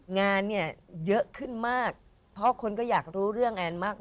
งานเนี่ยเยอะขึ้นมากเพราะคนก็อยากรู้เรื่องแอนมาก